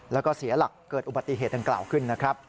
แล้วก็เสียหลักเกิดอุบัติเหตุดังกล่าวขึ้นนะครับ